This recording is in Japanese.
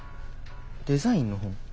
デザインの本？